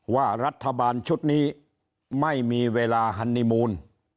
ว่ารัฐบาลชุดนี้ไม่มีเวลาฮันนีมูล